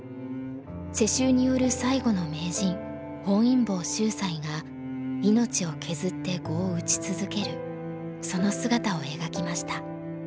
世襲による最後の名人本因坊秀哉が命を削って碁を打ち続けるその姿を描きました。